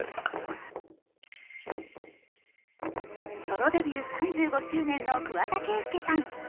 ソロデビュー３５周年の桑田佳祐さん。